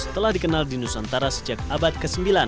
telah dikenal di nusantara sejak abad ke sembilan